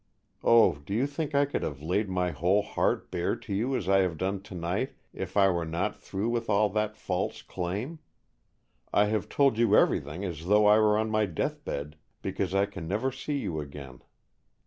Oh, do you think I could have laid my whole heart bare to you as I have done tonight if I were not through with all that false claim? I have told you everything as though I were on my deathbed, because I can never see you again.